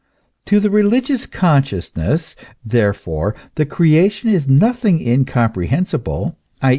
To the religious consciousness, therefore, the creation is nothing incomprehensible, i.